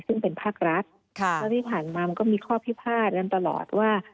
ซึ่งเป็นภาครัฐแล้วที่ผ่านมามันก็มีข้อพิพาทกันตลอดว่า